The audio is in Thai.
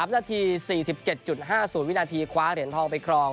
๓นาที๔๗๕๐วินาทีคว้าเหรียญทองไปครอง